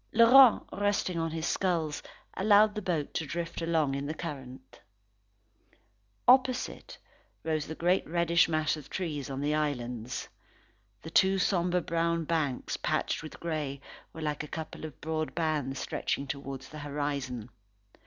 Laurent, resting on his skulls, allowed the boat to drift along in the current. Opposite, rose the great reddish mass of trees on the islands. The two sombre brown banks, patched with grey, were like a couple of broad bands stretching towards the horizon.